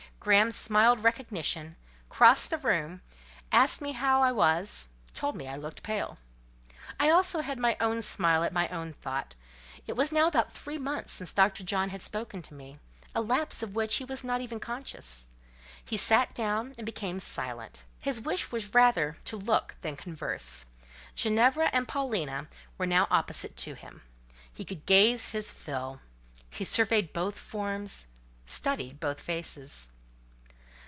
Graham smiled recognition, crossed the room, asked me how I was, told me I looked pale. I also had my own smile at my own thought: it was now about three months since Dr. John had spoken to me—a lapse of which he was not even conscious. He sat down, and became silent. His wish was rather to look than converse. Ginevra and Paulina were now opposite to him: he could gaze his fill: he surveyed both forms—studied both faces.